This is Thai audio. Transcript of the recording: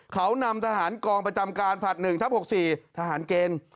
เขานำทหารกองประจำการผลัด๑ทับ๖๔ทหารเกณฑ์